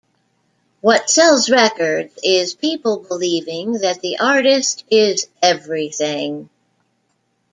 What sells records is people believing that the artist is everything.